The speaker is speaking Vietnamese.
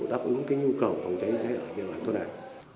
đáp ứng cái nhu cầu phòng cháy chữa cháy ở nhà bản thôn này